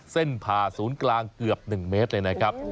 ผ่าศูนย์กลางเกือบ๑เมตรเลยนะครับ